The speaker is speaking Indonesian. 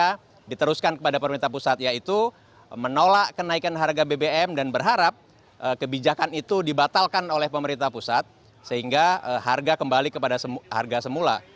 kita diteruskan kepada pemerintah pusat yaitu menolak kenaikan harga bbm dan berharap kebijakan itu dibatalkan oleh pemerintah pusat sehingga harga kembali kepada harga semula